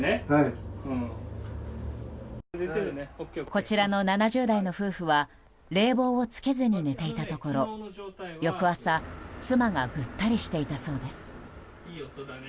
こちらの７０代の夫婦は冷房をつけずに寝ていたところ翌朝、妻がぐったりしていたそうです。